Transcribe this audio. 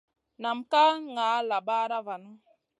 Nan ka ŋa labaɗa vanu.